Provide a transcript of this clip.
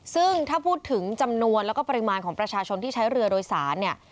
ซึ่งถ้าพูดถึงจำนวนแล้วก็ปริมาณของประชาชนที่ใช้เรือโดยสารเนี่ย